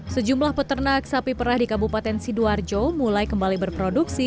sejumlah peternak sapi perah di kabupaten sidoarjo mulai kembali berproduksi